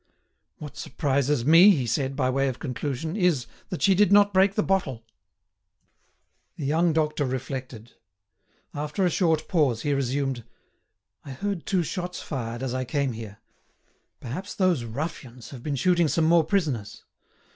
"What surprises me," he said, by way of conclusion, "is, that she did not break the bottle." The young doctor reflected. After a short pause he resumed: "I heard two shots fired as I came here. Perhaps those ruffians have been shooting some more prisoners.